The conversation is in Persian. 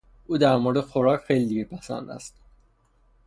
او در مورد خوراک خیلی دیر پسند است.